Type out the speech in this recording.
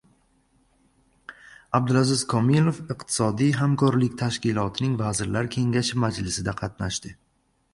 Abdulaziz Komilov Iqtisodiy Hamkorlik Tashkilotining vazirlar kengashi majlisida qatnashdi